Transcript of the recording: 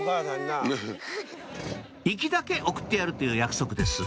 行きだけ送ってやるという約束です